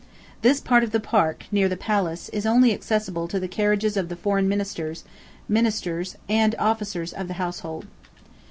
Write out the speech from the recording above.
This part of the park, near the palace, is only accessible to the carriages of the foreign ministers, ministers, and officers of the household.